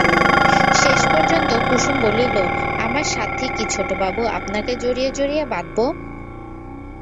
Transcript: শেষপর্যন্ত কুসুম বলিল, আমার সাধ্যি কী ছোটবাবু আপনাকে জড়িয়ে জড়িয়ে বাঁধব?